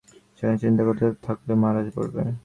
সেখানে চিন্তা করতে থাকলে, মারা পড়বে।